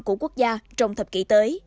của quốc gia trong thập kỷ tới